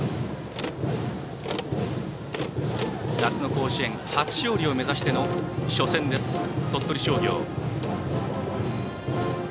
夏の甲子園初勝利を目指しての初戦です、鳥取商業。